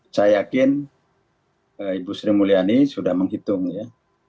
saya yakin ibu sri mulyani sudah menghitung ya